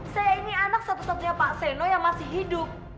saya ini anak satu satunya pak seno yang masih hidup